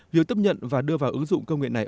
việc tiếp nhận và đưa vào ứng dụng công nghệ này